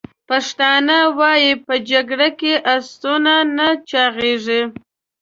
پښتانه وایي: « په جګړه کې اسونه نه چاغیږي!»